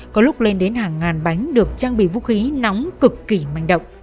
có lúc lên đến hàng ngàn bánh được trang bị vũ khí nóng cực kỳ manh động